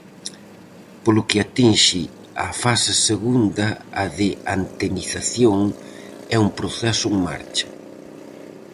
Polo que atinxe á fase segunda, a de antenización, é un proceso en marcha.